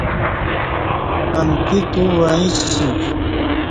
امکی تو وعݩیسی